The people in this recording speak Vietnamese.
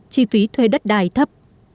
chi phí thuê đất đài thấp